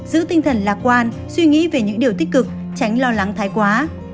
giữ tinh thần lạc quan suy nghĩ về những điều tích cực tránh lo lắng thái quá